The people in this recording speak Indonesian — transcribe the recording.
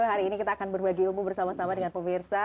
hari ini kita akan berbagi ilmu bersama sama dengan pemirsa